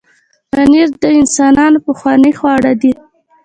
پنېر د انسانانو پخوانی خواړه دی.